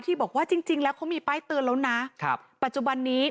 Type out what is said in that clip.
บอกว่าจริงจริงแล้วเขามีป้ายเตือนแล้วนะครับปัจจุบันนี้